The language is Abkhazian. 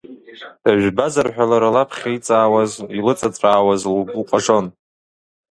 Дыжәбазар ҳәа лара лаԥхьа иҵаауаз, илыҵаҵәаауаз лгәы лҟажон.